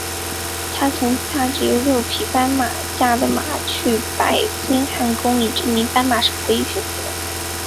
他曾经驾着由六匹斑马驾的马车去白金汉宫以证明斑马是可以驯服的。